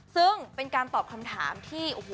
ซึ่งเป็นการตอบคำถามที่